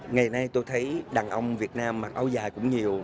ngày nay tôi thấy đàn ông việt nam mặc áo dài cũng nhiều